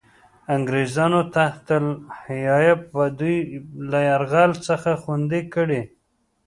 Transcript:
انګرېزانو تحت الحیه به دوی له یرغل څخه خوندي کړي.